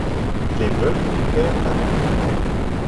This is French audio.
Il est veuf et père d'un enfant.